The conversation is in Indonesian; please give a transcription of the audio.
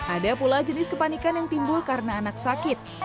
ada pula jenis kepanikan yang timbul karena anak sakit